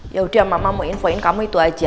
ya udah mama mau infoin kamu itu aja